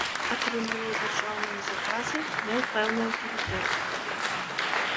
Атрымліваў дзяржаўныя заказы, меў пэўны аўтарытэт.